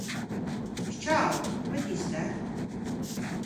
Scciao, comme ti stæ?